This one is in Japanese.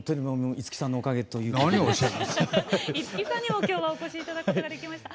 五木さんにも今日はお越し頂くことができました。